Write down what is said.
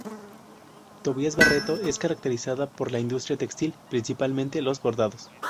Tobias Barreto es caracterizada por la industria textil, principalmente los bordados.